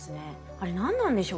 あれ何なんでしょうね？